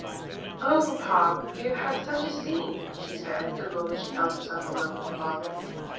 "Oh, papa, we have had such a scene!" she said, the moment she felt herself alone with her father.